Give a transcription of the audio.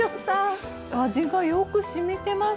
味がよくしみてます。